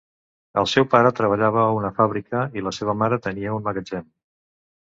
El seu pare treballava en una fàbrica i la seva mare tenia un magatzem.